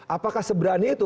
apakah seberani itu